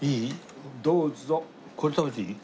これ食べていい？